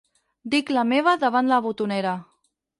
Dic la meva davant la botonera.